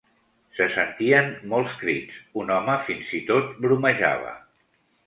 Se sentien molts crits, un home fins i tot bromejava.